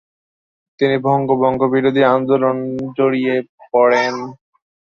তিনি বঙ্গভঙ্গ-বিরোধী আন্দোলনে জড়িয়ে পড়েন।